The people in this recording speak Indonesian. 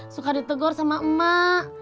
suka ditegor sama emak